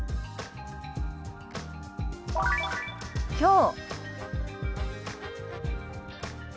きょう。